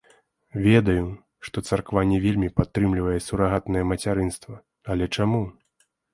Ведаю, што царква не вельмі падтрымлівае сурагатнае мацярынства, але чаму?